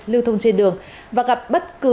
lưu thông trên đường và gặp bất cứ